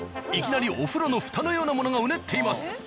いきなりお風呂の蓋のようなものがうねっています。